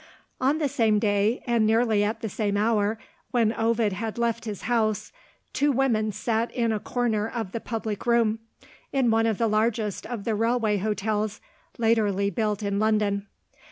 On the same day, and nearly at the same hour, when Ovid had left his house, two women sat in a corner of the public room, in one of the largest of the railway hotels latterly built in London.